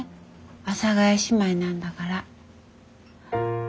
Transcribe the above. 阿佐ヶ谷姉妹なんだから。